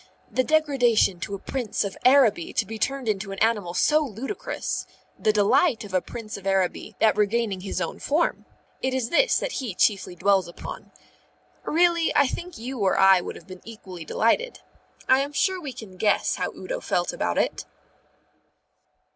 The degradation to a Prince of Araby to be turned into an animal so ludicrous, the delight of a Prince of Araby at regaining his own form, it is this that he chiefly dwells upon. Really, I think you or I would have been equally delighted. I am sure we can guess how Udo felt about it.